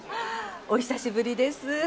お久しぶりです。